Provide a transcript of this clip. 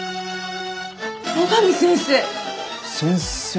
野上先生！